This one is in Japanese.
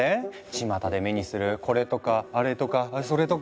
ちまたで目にするこれとかあれとかそれとか。